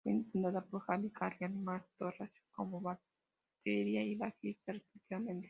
Fue fundada por Javi Carrión y Marc Torras como batería y bajista, respectivamente.